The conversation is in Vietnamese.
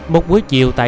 một buổi chiều tháng năm